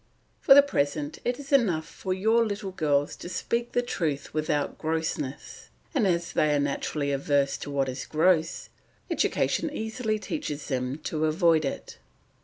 For the present it is enough for your little girls to speak the truth without grossness, and as they are naturally averse to what is gross, education easily teaches them to avoid it.